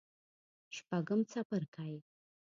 شپږم څپرکی